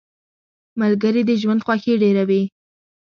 • ملګري د ژوند خوښي ډېروي.